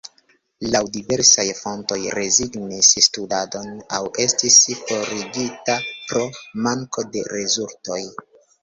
Laŭ diversaj fontoj rezignis studadon aŭ estis forigita pro manko de rezultoj.